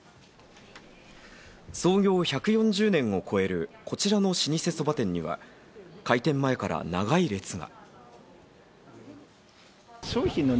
創業１４０年を超えるこちらの老舗そば店には、開店前から長い列が。